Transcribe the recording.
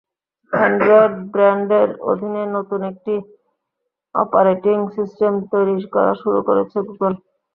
Android ব্র্যান্ডের অধীনে নতুন একটি অপারেটিং সিস্টেম তৈরি করা শুরু করেছে গুগল।